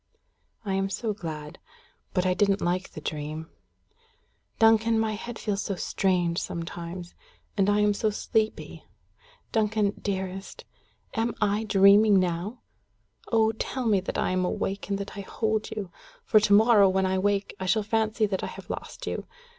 "I am so glad. But I didn't like the dream. Duncan, my head feels so strange sometimes. And I am so sleepy. Duncan, dearest am I dreaming now? Oh! tell me that I am awake and that I hold you; for to morrow, when I wake, I shall fancy that I have lost you.